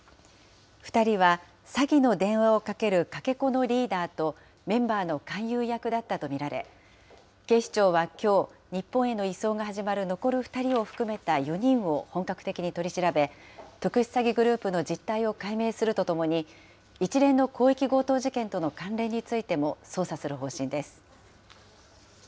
２人は詐欺の電話をかけるかけ子のリーダーとメンバーの勧誘役だったと見られ、警視庁はきょう、日本への移送が始まる残る２人を含めた４人を本格的に取り調べ、特殊詐欺グループの実態を解明するとともに、一連の広域強盗事件との関連についても捜査する方針です。